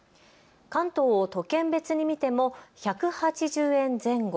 関東を都県別に見ても１８０円前後。